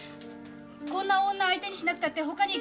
こんな女相手にしなくてもほかに。